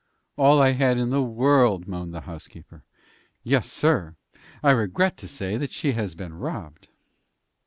"All I had in the world," moaned the housekeeper. "Yes, sir; I regret to say that she has been robbed."